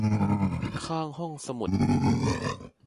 ข้างห้องสมุด